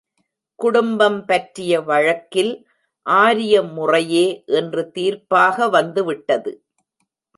குடும்பம் பற்றிய வழக்கில் ஆரிய முறையே இன்று தீர்ப்பாக வந்துவிட்டது.